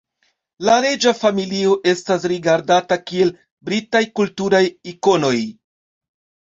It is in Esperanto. La reĝa familio estas rigardata kiel Britaj kulturaj ikonoj.